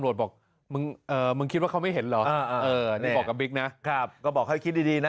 นี่คือคู่ตำรวจบอก